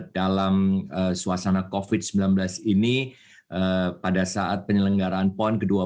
dalam suasana covid sembilan belas ini pada saat penyelenggaraan pon ke dua puluh